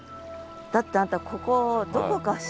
だってあんたここどこか知ってる？